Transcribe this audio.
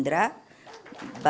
termasuk ketua umum gerindra